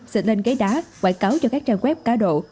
xịt lên ghế đá quảng cáo cho các trang quép cả độ